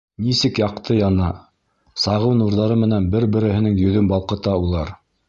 Нисек яҡты яна, сағыу нурҙары менән бер-береһенең йөҙөн балҡыта улар.